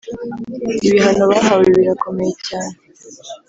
ibihano bahawe birakomeye cyane